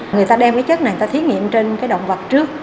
người ta đem cái chất này người ta thí nghiệm trên cái động vật trước